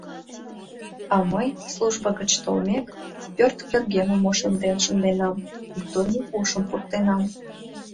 А мый, служба гыч толмек, пӧрт кӧргемым ошемден шынденам, культурный пушым пуртенам.